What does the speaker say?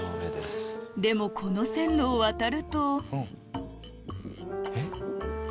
でもこの線路を渡るとえっ？